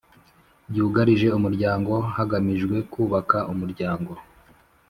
byugarije umuryango hagamijwe kubaka umuryango